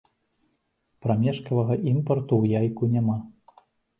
Прамежкавага імпарту ў яйку нямала.